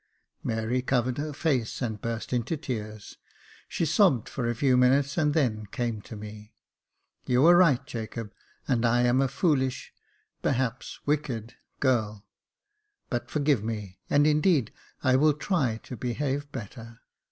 Mary covered her face and burst into tears. She sobbed for a few minutes, and then came to me. *' You are right, Jacob, and I am a foolish — perhaps wicked — girl ; but forgive me, and indeed I will try to behave better.